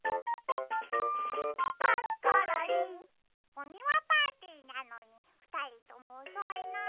おにわパーティーなのにふたりともおそいな。